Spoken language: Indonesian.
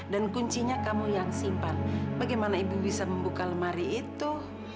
dan kuncinya kamu yang simpan bagaimana ibu bisa membuka lemari itu